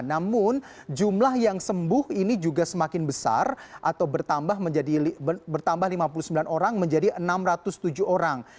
namun jumlah yang sembuh ini juga semakin besar atau bertambah lima puluh sembilan orang menjadi enam ratus tujuh orang